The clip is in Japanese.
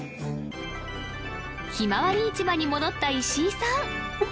ひまわり市場に戻った石井さん